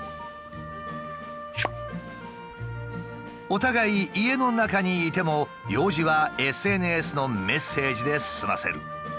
お互い家の中にいても用事はＳＮＳのメッセージで済ませる。